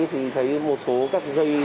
thì thấy một số các dây